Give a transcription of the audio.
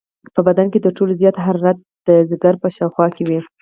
په بدن کې تر ټولو زیاته حرارت د جگر په شاوخوا کې وي.